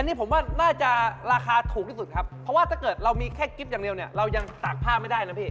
นี่ผมว่าน่าจะราคาถูกที่สุดครับเพราะว่าถ้าเกิดเรามีแค่กิ๊บอย่างเดียวเนี่ยเรายังตากผ้าไม่ได้นะพี่